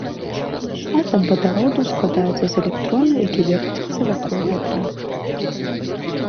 Атам вадароду складаецца з электрона, які верціцца вакол ядра.